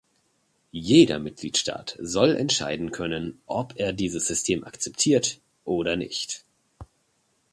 Jeder Mitgliedstaat soll entscheiden können, ob er dieses System akzeptiert oder nicht.